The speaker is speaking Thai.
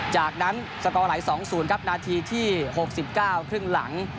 จากนั้นสกราวไหล่สองศูนย์ครับนาทีที่หกสิบเก้าครึ่งหลัง